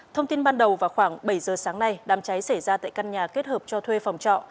thông tin ban đầu vào khoảng bảy giờ sáng nay đám cháy xảy ra tại căn nhà kết hợp cho thuê phòng trọ